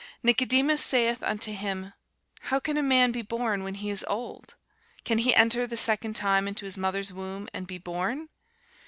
Nicodemus saith unto him, How can a man be born when he is old? can he enter the second time into his mother's womb, and be born?